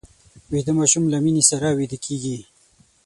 ویده ماشوم له مینې سره ویده کېږي